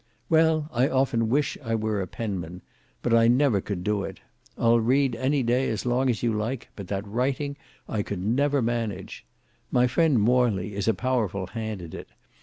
Well, I often wish I were a penman; but I never could do it. I'll read any day as long as you like, but that writing, I could never manage. My friend Morley is a powerful hand at it.